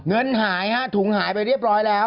เงินหายฮะถุงหายไปเรียบร้อยแล้ว